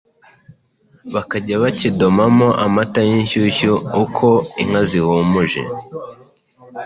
bakajya bakidomamo amata y'inshyushyu, uko inka zihumuje,